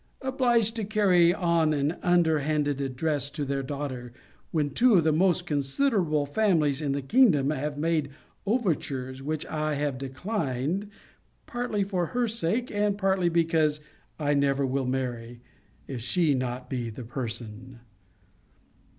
Obliged to carry on an underhand address to their daughter, when two of the most considerable families in the kingdom have made overtures, which I have declined, partly for her sake, and partly because I never will marry; if she be not the person.